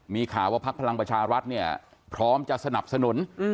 มีข่าวว่าพักพลังประชารัฐเนี่ยพร้อมจะสนับสนุน